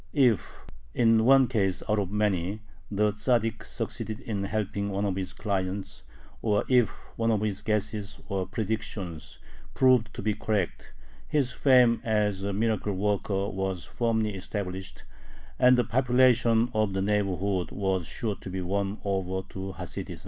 If, in one case out of many, the Tzaddik succeeded in helping one of his clients, or if one of his guesses or predictions proved to be correct, his fame as a miracle worker was firmly established, and the population of the neighborhood was sure to be won over to Hasidism.